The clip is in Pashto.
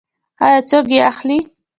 آیا څوک یې اخلي؟